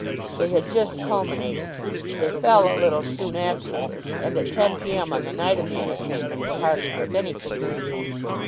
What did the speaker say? They had just culminated. They fell a little soon afterwards, and at ten P.M. on the night of the entertainment were hardly worth anything.